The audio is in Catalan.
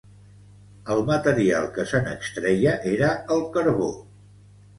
El material que se n'extreia era el carbó.